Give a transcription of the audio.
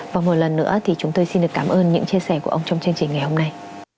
và một lần nữa thì chúng tôi xin được cảm ơn những chia sẻ của ông trong chương trình ngày hôm nay